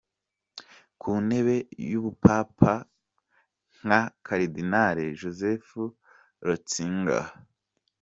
Ku ntebe y’ubupapa nka Karidinali Joseph Ratsinger.